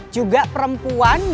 juga perempuan yang dihidupkan